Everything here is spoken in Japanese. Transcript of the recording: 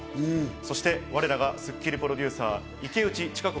そして我らがスッキリプロデューサー・池内千香子